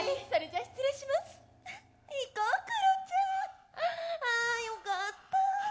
あよかった！